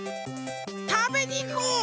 たべにいこう！